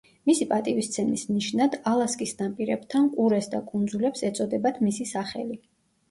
მისი პატივისცემის ნიშნად ალასკის ნაპირებთან ყურეს და კუნძულებს ეწოდებათ მისი სახელი.